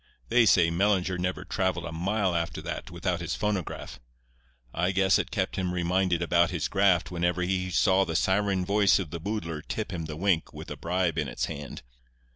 They say Mellinger never travelled a mile after that without his phonograph. I guess it kept him reminded about his graft whenever he saw the siren voice of the boodler tip him the wink with a bribe in its hand."